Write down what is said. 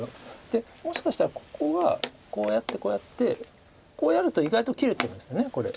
でもしかしたらここがこうやってこうやってこうやると意外と切れてるんですこれ。